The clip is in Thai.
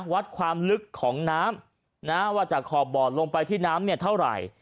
วัดความลึกของน้ำนะว่าจากขอบบ่อลงไปที่น้ำเนี่ยเท่าไหร่